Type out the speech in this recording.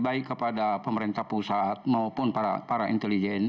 baik kepada pemerintah pusat maupun para intelijen